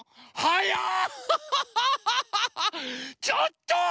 ちょっと！